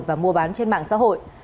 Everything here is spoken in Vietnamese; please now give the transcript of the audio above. và mua bán trên mạng xã hội